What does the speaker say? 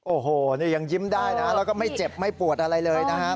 โอ้โหนี่ยังยิ้มได้นะแล้วก็ไม่เจ็บไม่ปวดอะไรเลยนะครับ